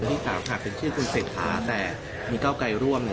อคุณสี่สามถ้าเป็นชื่อกลุ่มเศรษฐาแต่มีก้าวใกล้ร่วม